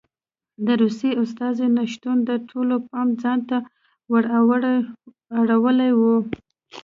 د روسیې استازو نه شتون د ټولو پام ځان ته ور اړولی و.